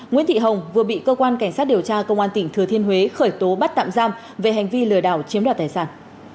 nguyễn thị hồng vừa bị cơ quan cảnh sát điều tra công an tỉnh thừa thiên huế khởi tố bắt tạm giam về hành vi lừa đảo chiếm đoạt tài sản